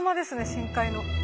深海の。